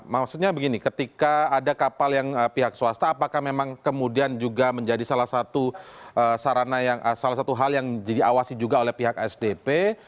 maksudnya begini ketika ada kapal yang pihak swasta apakah memang kemudian juga menjadi salah satu hal yang diawasi juga oleh pihak sdp